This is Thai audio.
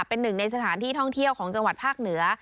เป็นหนึ่งในสถานที่ท่องเที่ยวของจังหวัดภาคเหนือ